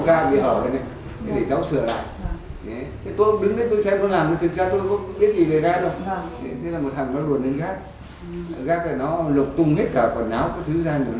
thế là một thằng nó luồn lên gác gác là nó lục tung hết cả quần áo cái thứ da cái thứ